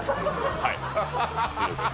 はい